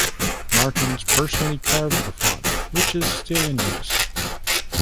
Martens personally carved the font, which is still in use.